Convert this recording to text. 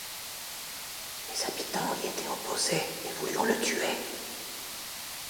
Les habitants y étaient opposés et voulurent le tuer.